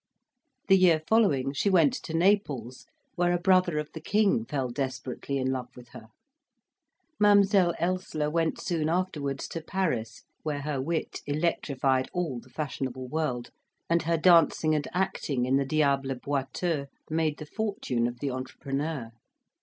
The year following she went to Naples, where a brother of the King fell desperately in love with her. Mademoiselle Elssler went soon afterwards to Paris, where her wit electrified all the fashionable world, and her dancing and acting in the Diable Boiteux made the fortune of the entrepreneur.